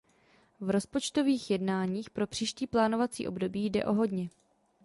V rozpočtových jednáních pro příští plánovací období jde o hodně.